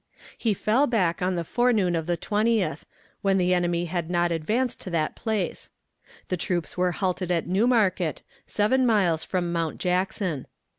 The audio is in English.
He fell back on the forenoon of the 20th, when the enemy had not advanced to that place. The troops were halted at Newmarket, seven miles from Mount Jackson.